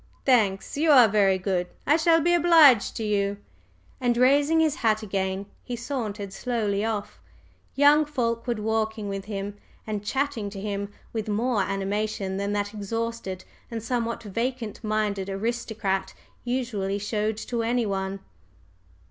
"Thanks you are very good. I shall be obliged to you." And raising his hat again he sauntered slowly off, young Fulkeward walking with him and chatting to him with more animation than that exhausted and somewhat vacant minded aristocrat usually showed to anyone.